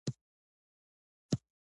دلته د وروستیو او لومړنیو پیسو په اړه بحث کوو